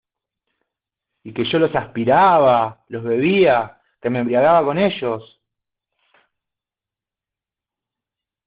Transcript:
y que yo los aspiraba, los bebía , que me embriagaba con ellos...